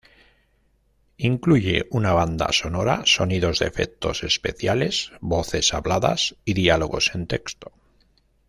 Incluye una banda sonora, sonidos de efectos especiales, voces habladas y diálogos en texto.